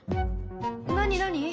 何何？